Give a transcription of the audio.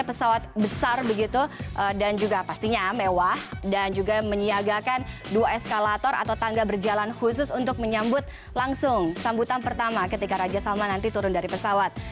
pesawat besar begitu dan juga pastinya mewah dan juga menyiagakan dua eskalator atau tangga berjalan khusus untuk menyambut langsung sambutan pertama ketika raja salman nanti turun dari pesawat